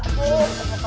lucu banget so